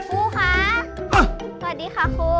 ครูคะสวัสดีค่ะครู